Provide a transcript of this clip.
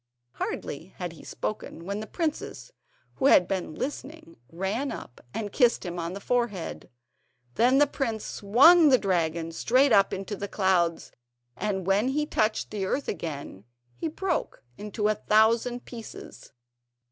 Hardly had he spoken, when the princess, who had been listening, ran up and kissed him on the forehead. Then the prince swung the dragon straight up into the clouds, and when he touched the earth again, he broke into a thousand pieces.